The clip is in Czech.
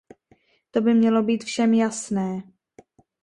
To by mělo být všem jasné.